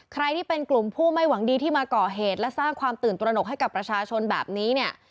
ใครที่เป็นกลุ่มผู้ไม่หวังดีที่มาก่อเหตุและสร้างความตื่นตระหนกให้กับประชาชนแบบนี้เนี่ย